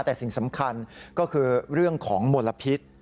แต่สิ่งสำคัญก็คือเรื่องของมลพิษ